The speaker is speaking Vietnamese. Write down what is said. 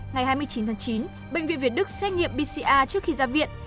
ngày hai mươi chín tháng chín bệnh viện việt đức xét nghiệm pcr trước khi ra viện